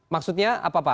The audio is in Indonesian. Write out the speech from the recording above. maksudnya apa pak